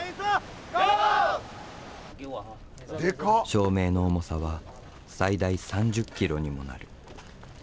照明の重さは最大３０ｋｇにもなる。